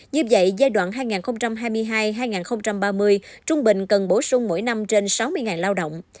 như vậy giai đoạn hai nghìn hai mươi hai hai nghìn ba mươi trung bình cần bổ sung mỗi năm trên sáu mươi lao động